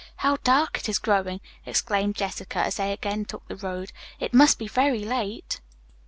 "How dark it is growing," exclaimed Jessica, as they again took the road. "It must be very late."